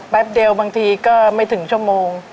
แป๊บเดียวบางทีก็ไม่ถึงชั่วโมง